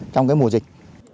trong cái mùa dịch